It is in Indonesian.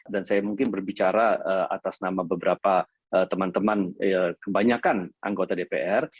dan saya mungkin berbicara atas nama beberapa teman teman kebanyakan anggota dpr